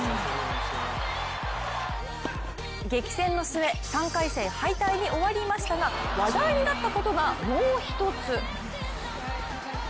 激戦の末、３回戦敗退に終わりましたが話題になったことが、もう一つ。